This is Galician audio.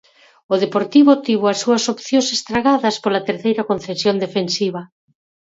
O Deportivo tivo as súas opcións, estragadas pola terceira concesión defensiva.